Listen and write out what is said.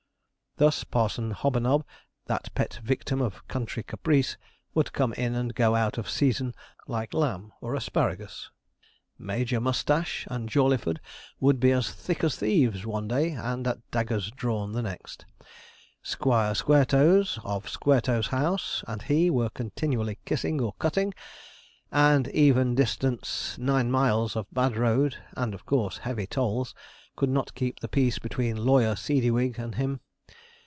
Thus, Parson Hobanob, that pet victim of country caprice, would come in and go out of season like lamb or asparagus; Major Moustache and Jawleyford would be as 'thick as thieves' one day, and at daggers drawn the next; Squire Squaretoes, of Squaretoes House, and he, were continually kissing or cutting; and even distance nine miles of bad road, and, of course, heavy tolls could not keep the peace between lawyer Seedywig and him.